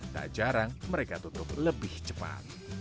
tak jarang mereka tutup lebih cepat